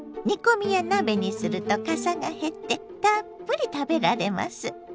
煮込みや鍋にするとかさが減ってたっぷり食べられます。